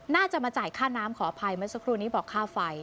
น่าจะมาจ่ายค่าน้ำขออภัยเมื่อสักครู่นี้บอกค่าไฟ